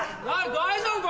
大丈夫か？